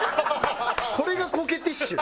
これが「コケティッシュ」？